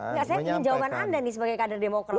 enggak saya ingin jawaban anda nih sebagai kader demokrat